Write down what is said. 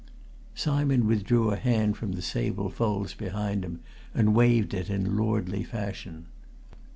Simon withdrew a hand from the sable folds behind him, and waved it in lordly fashion.